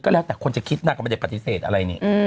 ก็แล้วแต่คนจะคิดน่ะก็มันจะปฏิเสธอะไรนี่